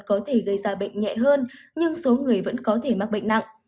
có thể gây ra bệnh nhẹ hơn nhưng số người vẫn có thể mắc bệnh nặng